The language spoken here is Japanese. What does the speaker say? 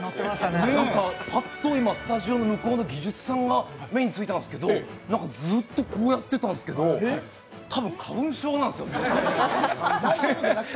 パッと今スタジオの向こうの技術さんが目についたんですけど何かずっとこうやってたんですけど、多分花粉症なんですよ。